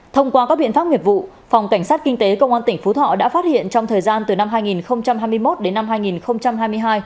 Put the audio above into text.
thông qua các biện pháp nghiệp vụ phòng cảnh sát kinh tế công an tỉnh phú thọ đã phát hiện trong thời gian từ năm hai nghìn hai mươi một đến năm hai nghìn hai mươi hai